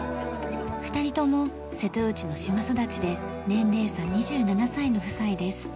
２人とも瀬戸内の島育ちで年齢差２７歳の夫妻です。